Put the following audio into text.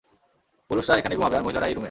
পুরুষরা এখানে ঘুমাবে, আর মহিলারা এই রুমে।